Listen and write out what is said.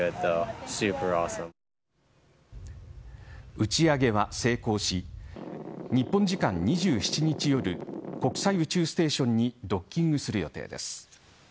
打ち上げは成功し日本時間２７日夜国際宇宙ステーションにドッキングする予定です。